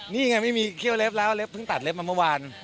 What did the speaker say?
นี่ไงไม่มีเคี่ยวเล็บแล้วเล็บเพิ่งตัดเล็บมาเมื่อวาน